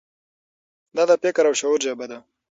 دا د فکر او شعور ژبه ده.